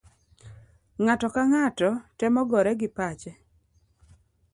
Ng'ato kang'ato temo gore gi pache.